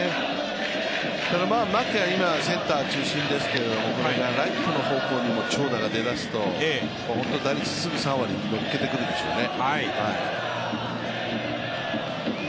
ただ、牧は今、センター中心ですけども、これがライトの方向にも長打が出だすと本当に打率、すぐ３割にのっけてくるでしょうね